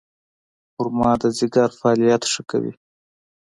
خرما د ځیګر فعالیت ښه کوي.